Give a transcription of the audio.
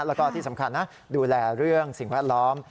แล้วก็ที่สำคัญนะดูแลเรื่องสิ่งแวดล้อม